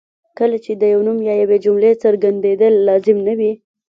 کله چې د یو نوم یا یوې جملې څرګندېدل لازم نه وي.